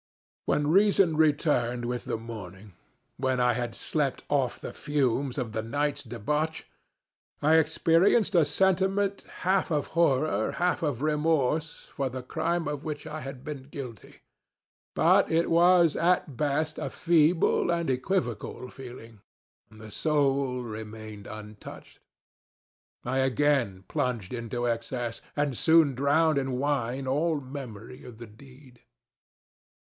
When reason returned with the morningŌĆöwhen I had slept off the fumes of the nightŌĆÖs debauchŌĆöI experienced a sentiment half of horror, half of remorse, for the crime of which I had been guilty; but it was, at best, a feeble and equivocal feeling, and the soul remained untouched. I again plunged into excess, and soon drowned in wine all memory of the deed.